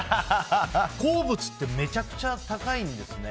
鉱物ってめちゃくちゃ高いんですね。